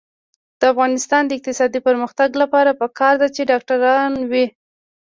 د افغانستان د اقتصادي پرمختګ لپاره پکار ده چې ډاکټران وي.